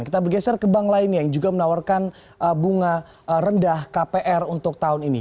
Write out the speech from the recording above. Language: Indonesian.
kita bergeser ke bank lainnya yang juga menawarkan bunga rendah kpr untuk tahun ini